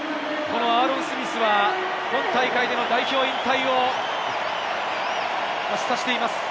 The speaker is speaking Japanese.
アーロン・スミスは今大会での代表引退を示唆しています。